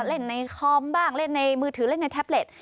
เล่นในคอมบ้างเล่นในมือถือเล่นในแท็บเล็ต